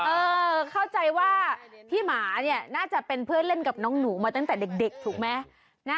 เออเข้าใจว่าพี่หมาเนี่ยน่าจะเป็นเพื่อนเล่นกับน้องหนูมาตั้งแต่เด็กถูกไหม